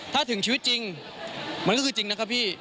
ถ้าถึงชีวิตจริงมันก็คือจริงนะครับพี่